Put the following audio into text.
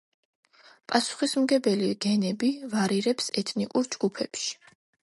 პასუხისმგებელი გენები ვარირებს ეთნიკურ ჯგუფებში.